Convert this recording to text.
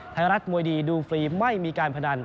ไทยรัฐมวยดีดูฟรีไม่มีการพนัน